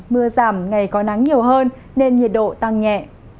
mưa giảm ngày có nắng nhiều hơn nên nhiệt độ tăng nhẹ